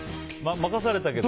任されたけど？